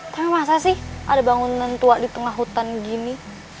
tapi masa sih ada bangunan tua di tengah hutan gini